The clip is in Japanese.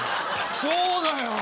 そうだよ！